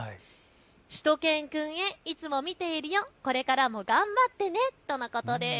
しゅと犬くんへいつも見ているよ、これからも頑張ってねとのことです。